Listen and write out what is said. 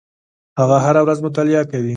هغه هره ورځ مطالعه کوي.